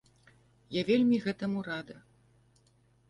Я вельмі гэтаму рада.